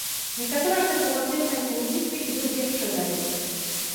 Некаторыя кансерватыўныя калумністы ідуць яшчэ далей.